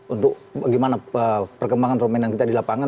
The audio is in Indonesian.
untuk bagaimana perkembangan permainan kita di lapangan